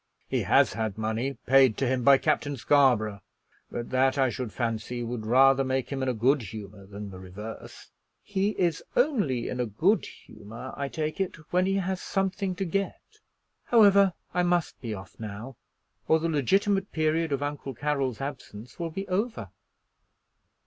"He has had money paid to him by Captain Scarborough; but that I should fancy would rather make him in a good humor than the reverse." "He is only in a good humor, I take it, when he has something to get. However, I must be off now, or the legitimate period of Uncle Carroll's absence will be over."